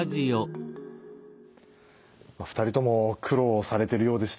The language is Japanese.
２人とも苦労されてるようでした。